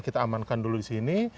kita amankan dulu disini